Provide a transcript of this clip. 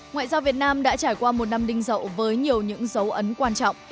ngoại giao việt nam đã trải qua một năm đinh dậu với nhiều những dấu ấn quan trọng